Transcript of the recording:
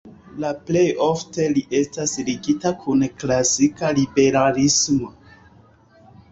La plej ofte li estas ligita kun klasika liberalismo.